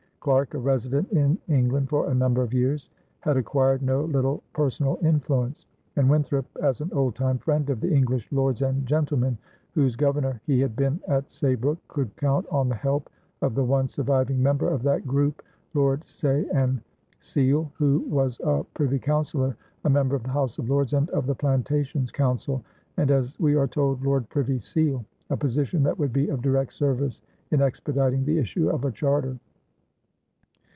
Clarke, a resident in England for a number of years, had acquired no little personal influence; and Winthrop, as an old time friend of the English lords and gentlemen whose governor he had been at Saybrook, could count on the help of the one surviving member of that group, Lord Saye and Sele, who was a privy councillor, a member of the House of Lords and of the plantations council, and, as we are told, Lord Privy Seal, a position that would be of direct service in expediting the issue of a charter.